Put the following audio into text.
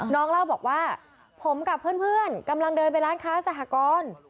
เล่าบอกว่าผมกับเพื่อนกำลังเดินไปร้านค้าสหกร